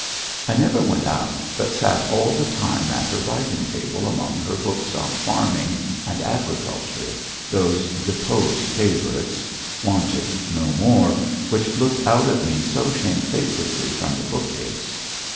I never went out but sat all the time at her writing table among her books on farming and agriculture, those deposed favourites, wanted no more, which looked out at me so shamefacedly from the bookcase.